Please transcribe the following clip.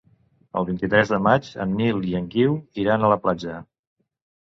El vint-i-tres de maig en Nil i en Guiu iran a la platja.